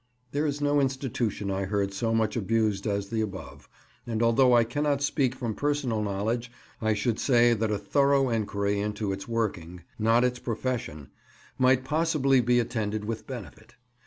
There is no institution I heard so much abused as the above, and although I cannot speak from personal knowledge, I should say that a thorough enquiry into its working (not its profession) might possibly be attended with benefit.